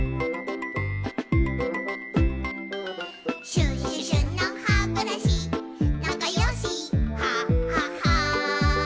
「シュシュシュのハブラシなかよしハハハ」